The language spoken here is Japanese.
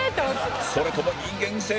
それとも人間性？